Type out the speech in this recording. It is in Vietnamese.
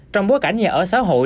trong bối cảnh nhà ở xã hội